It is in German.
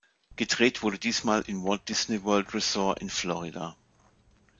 Gedreht wurde diesmal im Walt Disney World Resort in Florida.